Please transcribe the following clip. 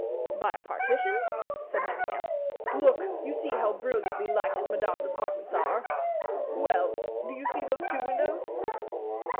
"By a partition?" said Manicamp. "Look; you see how brilliantly lighted Madame's apartments are well, do you see those two windows?"